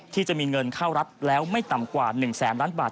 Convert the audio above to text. ที่จะมีเงินเข้ารัฐแล้วไม่ต่ำกว่า๑แสนล้านบาท